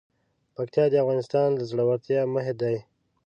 پکتیا د افغانستان د زړورتیا مهد دی.